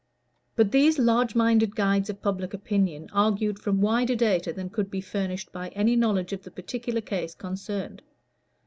But these large minded guides of public opinion argued from wider data than could be furnished by any knowledge of the particular case concerned.